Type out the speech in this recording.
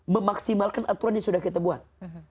memaksimalkan aturan yang sudah kita buat